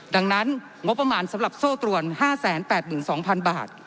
ดังนั้นงบประมาณสำหรับโซ่ตรวน๕๘๒๐๐๐บาท